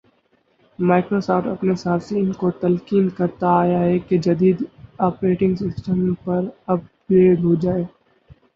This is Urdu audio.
مائیکروسافٹ اپنے صارفین کو تلقین کرتا آیا ہے کہ جدید آپریٹنگ سسٹمز پر اپ گریڈ ہوجائیں